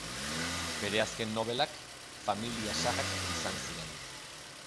Bere azken nobelak familia-sagak izan ziren.